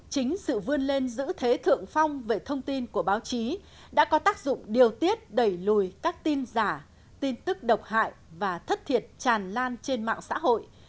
chính sự vươn lên giữ thế thượng phong về thông tin của báo chí đã có tác dụng điều tiết đẩy lùi các tin giả tin tức độc hại và thất thiệt tràn lan trên mạng xã hội